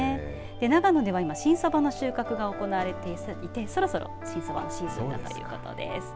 長野では今新そばの収穫が行われていてそろそろ新そばのシーズンだということです。